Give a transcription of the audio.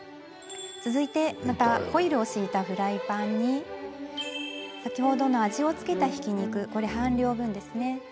続いてホイルを敷いたフライパンに先ほどの味を付けたひき肉半量です。